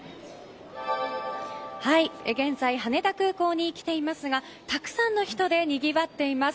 現在、羽田空港に来ていますがたくさんの人でにぎわっています。